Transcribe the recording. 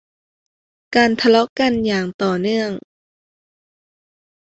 การทะเลาะกันอย่างต่อเนื่อง